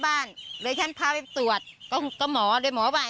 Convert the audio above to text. วันนี้สวยไหว้กว่า